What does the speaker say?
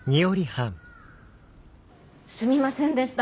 すみませんでした。